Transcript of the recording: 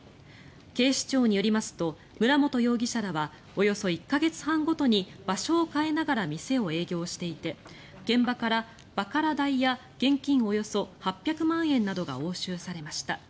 警視庁によりますと村本容疑者らはおよそ１か月半ごとに場所を変えながら店を営業していて現場からバカラ台や現金およそ８００万円などが押収されました。